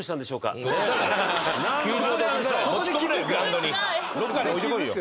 どこかに置いてこいよ。